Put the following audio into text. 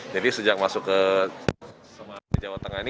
jadi sejak masuk ke jawa tengah ini